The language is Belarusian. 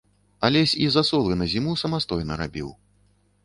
Алесь і засолы на зіму самастойна рабіў.